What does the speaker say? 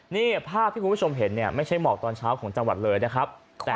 นี่ภาพที่คุณผู้ชมเห็นเนี่ยไม่ใช่หมอกตอนเช้าของจังหวัดเลยนะครับ